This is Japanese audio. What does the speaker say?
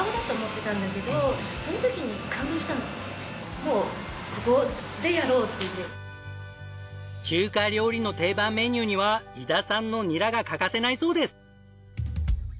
ああこの人中華料理の定番メニューには伊田さんのニラが欠かせないそうです。